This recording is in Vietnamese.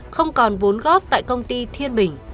không còn vốn góp tại công ty thiên bình